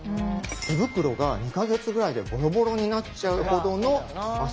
手袋が２か月ぐらいでボロボロになっちゃうほどの摩擦力が。